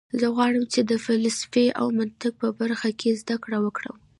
زه غواړم چې د فلسفې او منطق په برخه کې زده کړه وکړم